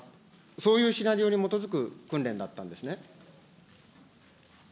そういうシナリオに基づく訓練だったんですね。